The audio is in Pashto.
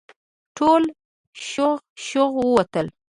ټول شغ شغ ووتل.